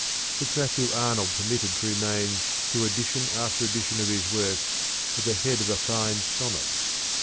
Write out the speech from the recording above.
which Matthew Arnold permitted to remain through edition after edition of his works at the head of a fine sonnet.